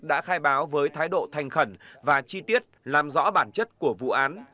đã khai báo với thái độ thành khẩn và chi tiết làm rõ bản chất của vụ án